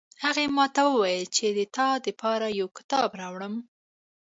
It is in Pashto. هغې ماته وویل چې د تا د پاره یو کتاب راوړم